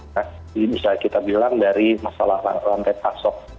jadi bisa kita bilang dari masalah lantai pasok